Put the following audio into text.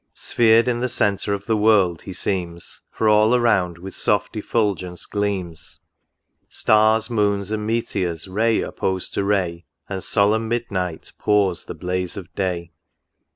Sphered in the centre of the world he seems. For all around with soft effulgence gleams ; Stars, moons, and meteors ray oppose to ray. And solemn midnight pours the blaze of day."